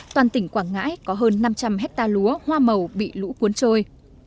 toàn tỉnh quảng ngãi có hơn năm trăm linh hectare lúa hoa màu bị lũ cuốn trôi